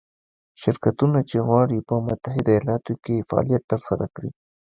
شرکتونه چې غواړي په متحده ایالتونو کې فعالیت ترسره کړي.